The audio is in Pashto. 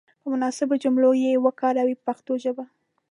په مناسبو جملو کې یې وکاروئ په پښتو ژبه.